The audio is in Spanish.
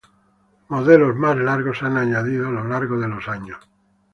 Modelos más largos se han añadidos durante los años.